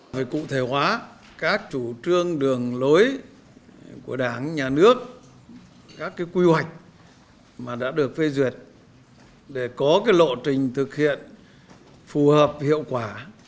phải cụ thể hóa các chủ trương đường lối của đảng nhà nước các cái quy hoạch mà đã được phê duyệt để có cái lộ trình thực hiện phù hợp hiệu quả